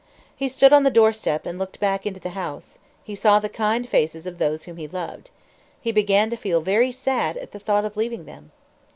He stood on the doorstep and looked back into the house. He saw the kind faces of those whom he loved. He began to feel very sad at the thought of leaving them.